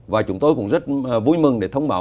và chúng tôi cũng rất vui mừng để thông báo